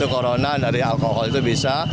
corona dari alkohol itu bisa